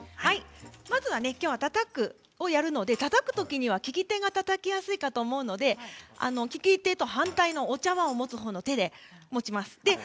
まずはたたくをやるのでたたく時には利き手がたたきやすいと思いますので利き手と反対側のお茶わんを持つ方の手で持ちます。